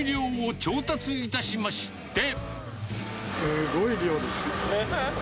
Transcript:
すごい量ですね。